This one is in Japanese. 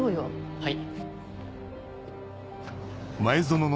はい。